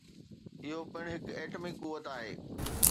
اهو پڻ هڪ ايٽمي قوت آهي.